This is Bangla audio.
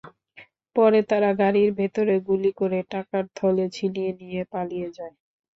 পরে তারা গাড়ির ভেতরে গুলি করে টাকার থলে ছিনিয়ে নিয়ে পালিয়ে যায়।